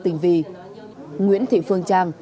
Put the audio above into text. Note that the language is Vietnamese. tình vì nguyễn thị phương trang